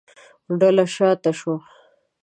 ډله شا ته شوه.